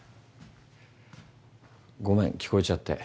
ごめん聞こえちゃって。